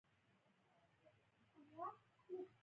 ځینې ټکي مطرح کاندي.